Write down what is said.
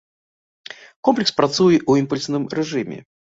Комплекс працуе ў імпульсным рэжыме.